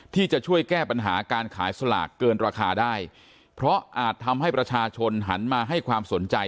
ที่จะช่วยแก้ปัญหาการขายสลากเกินราคาได้เพราะอาจทำให้ประชาชนหันมาให้ความสนใจ